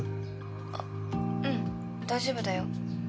☎あっうん大丈夫だよ